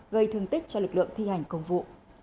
gây thương tích cho lực lượng thi hành công vụ